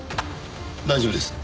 大丈夫です。